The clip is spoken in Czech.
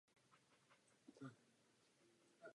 Lesopark slouží také jako místo pro konání řady akcí.